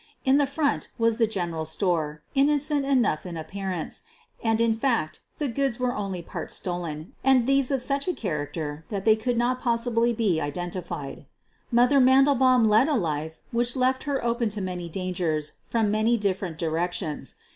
In the front was the general store, innocent enough in appearance; and, in fact, the goods were only part stolen, and these of such a character that they could not possibly be identified. " Mother' ' Mandelbaum led a life which left her open to many dangers from many different direc tions.